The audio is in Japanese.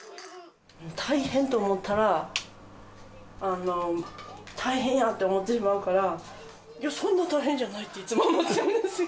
大変と思ったら、大変やと思ってしまうから、いや、そんな大変じゃないっていつも思ってます。